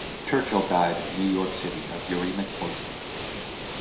Churchill died in New York City, of uremic poisoning.